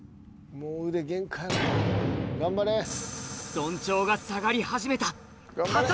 緞帳が下がり始めた